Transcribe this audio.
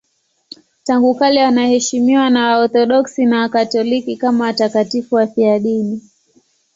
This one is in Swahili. Tangu kale wanaheshimiwa na Waorthodoksi na Wakatoliki kama watakatifu wafiadini.